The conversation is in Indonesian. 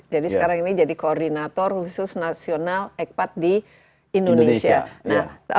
jadi sekarang ini jadi koordinator khusus nasional ecpat di indonesia